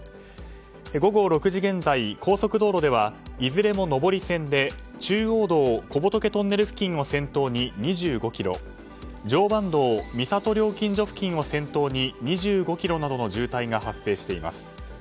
午後６時現在、高速道路ではいずれも上り線で中央道小仏トンネル付近を先頭に２５ｋｍ常磐道三郷料金所付近を先頭に２５ｋｍなどの渋滞が発生しています。